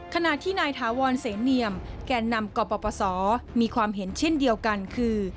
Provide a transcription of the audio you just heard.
ขณะที่นายถาวรเสนเนียมแก่นำกปศมีความเห็นเช่นเดียวกันคือ